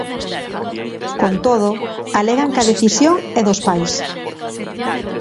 Con todo, alegan que a decisión é dos pais.